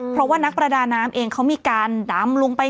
เพราะว่านักประดาน้ำเองเขามีการดำลงไป